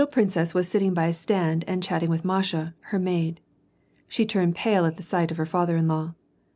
261 princess was sitting by a stand and chatting with Masha, her maid. She turned pale at the sight of her father in law.